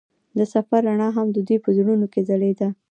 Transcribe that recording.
د سفر رڼا هم د دوی په زړونو کې ځلېده.